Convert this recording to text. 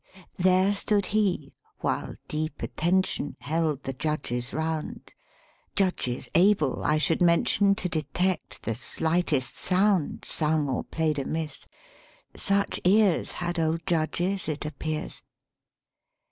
IV There stood he, while deep attention Held the judges round, Judges able, I should mention, To detect the slightest sound Sung or played amiss: such ears Had old judges, it appears!